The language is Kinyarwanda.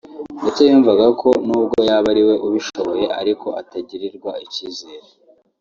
ndetse yumvaga ko nubwo yaba ariwe ubishoboye ariko atagirirwa icyizere